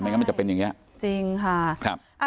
ไม่งั้นมันจะเป็นอย่างเงี้ยจริงค่ะครับ